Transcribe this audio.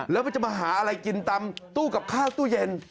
แล้วมันจะมาหาอะไรกินตามตู้กับข้าวตู้เย็น